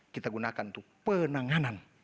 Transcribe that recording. kita gunakan untuk penanganan